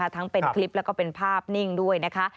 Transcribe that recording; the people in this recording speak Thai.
ทั้งเป็นคลิปแล้วก็เป็นภาพนิ่งด้วยนะคะ